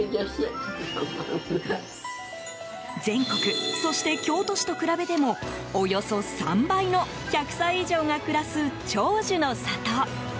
全国、そして京都市と比べてもおよそ３倍の１００歳以上が暮らす長寿の里。